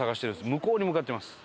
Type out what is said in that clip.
向こうに向かってます。